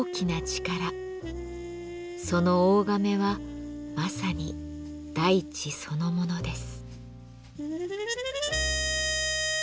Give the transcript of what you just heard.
その大甕はまさに大地そのものです。